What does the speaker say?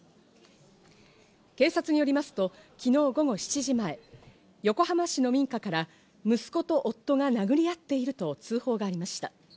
警察によりますと昨日午後７時前、横浜市の民家から息子と夫が殴り合っていると通報がありました。